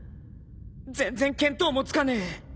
全然見当もつかねえ。